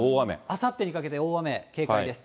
あさってにかけて、大雨、警戒です。